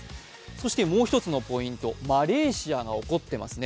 そしてもう一つのポイント、マレーシアが怒っていますね。